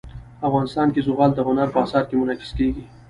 افغانستان کې زغال د هنر په اثار کې منعکس کېږي.